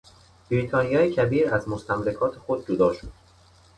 بریتانیای کبیر از مستملکات خود جدا شد.